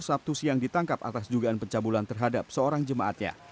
sabtu siang ditangkap atas dugaan pencabulan terhadap seorang jemaatnya